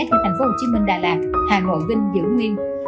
thành phố hồ chí minh đà lạt hà nội vinh diễu nguyên